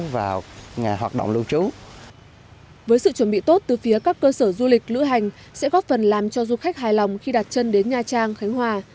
với sự chuẩn bị tốt từ phía các cơ sở du lịch lữ hành sẽ góp phần làm cho du khách hài lòng khi đặt chân đến nha trang khánh hòa